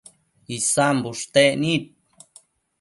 Isan bushtec nid